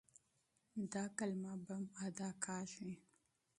دا کلمه بم ادا کېږي.